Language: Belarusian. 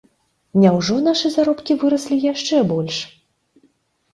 Няўжо нашы заробкі выраслі яшчэ больш?!